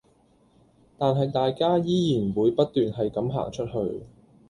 但係大家依然會不斷係咁行出去